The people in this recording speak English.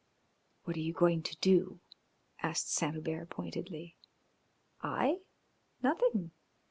"What are you going to do?" asked Saint Hubert pointedly. "I? Nothing!